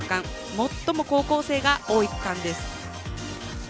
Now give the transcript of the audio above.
最も高校生が多い区間です。